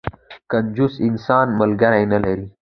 کنجوس انسان، ملګری نه لري.